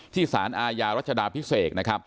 ที่สารอาญารัชดาพิเศษ